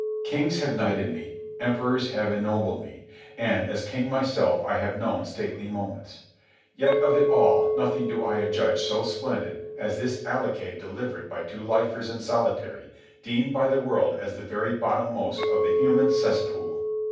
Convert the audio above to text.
Kings have knighted me, emperors have ennobled me, and, as king myself, I have known stately moments. Yet of it all nothing do I adjudge so splendid as this accolade delivered by two lifers in solitary deemed by the world as the very bottom most of the human cesspool.